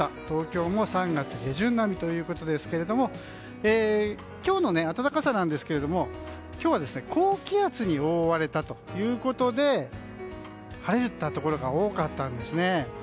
東京も３月下旬並みということですが今日の暖かさですが、今日は高気圧に覆われたということで晴れたところが多かったんですね。